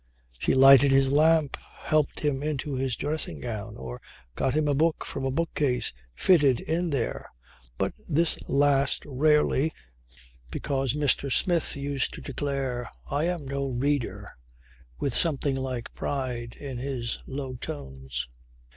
She lighted his lamp, helped him into his dressing gown or got him a book from a bookcase fitted in there but this last rarely, because Mr. Smith used to declare "I am no reader" with something like pride in his low tones.